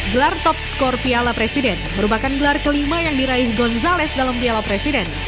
gelar top skor piala presiden merupakan gelar kelima yang diraih gonzalez dalam piala presiden